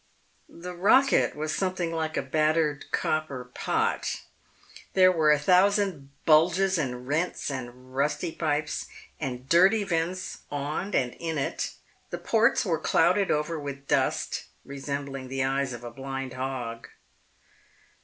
The rocket was something like a battered copper pot. There were a thousand bulges and rents and rusty pipes and dirty vents on and in it. The ports were clouded over with dust, resembling the eyes of a blind hog.